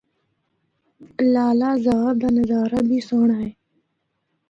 لالہ زار دا نظارہ بھی سہنڑا اے۔